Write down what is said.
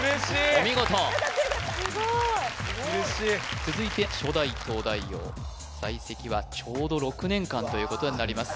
お見事嬉しい続いて初代東大王在籍はちょうど６年間ということになります